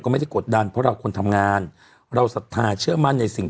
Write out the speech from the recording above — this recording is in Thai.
ชีวิตเราก็คือเหมือนละครเรื่องหนึ่ง